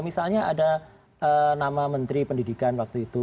misalnya ada nama menteri pendidikan waktu itu